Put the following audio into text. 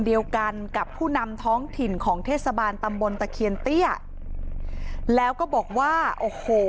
เดียวกันกับผู้นำท้องถิ่นของเทศบาลตำบลตะเคียนเตี้ยแล้วก็บอกว่าโอ้โห